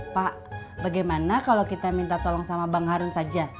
pak bagaimana kalau kita minta tolong sama bang harun saja